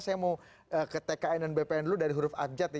saya mau ke tkn dan bpn dulu dari huruf abjad ya